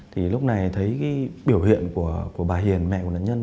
thì lúc này thấy cái biểu hiện của bà hiền mẹ của nạn nhân